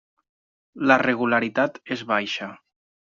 La regularitat és baixa.